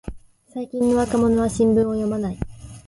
最近の若者は新聞を読まない